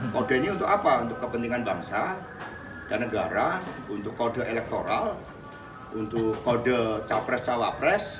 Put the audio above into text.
kode ini untuk apa untuk kepentingan bangsa dan negara untuk kode elektoral untuk kode capres cawapres